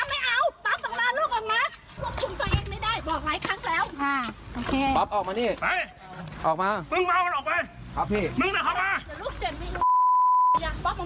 บอปไปพี่